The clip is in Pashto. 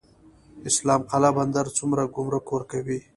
اسلام قلعه بندر څومره ګمرک ورکوي؟